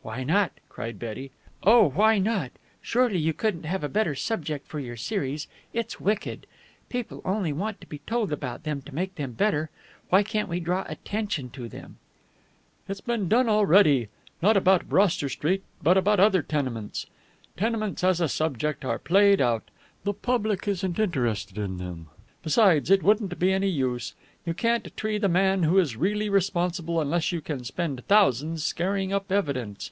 "Why not?" cried Betty. "Oh, why not? Surely you couldn't have a better subject for your series? It's wicked. People only want to be told about them to make them better. Why can't we draw attention to them?" "It's been done already. Not about Broster Street, but about other tenements. Tenements as a subject are played out. The public isn't interested in them. Besides, it wouldn't be any use. You can't tree the man who is really responsible, unless you can spend thousands scaring up evidence.